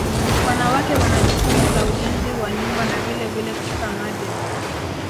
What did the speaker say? Wanawake wana jukumu la ujenzi wa nyumba na vilevile kuchota maji